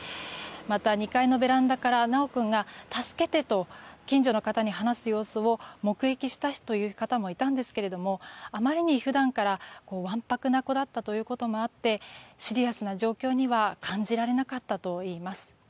また、２階のベランダから修君が助けてと近所の方に話す様子を目撃したという方もいたんですがあまりに普段からわんぱくな子だったということもあってシリアスな状況には感じられなかったといいます。